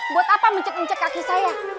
buat apa mencek mencek kaki saya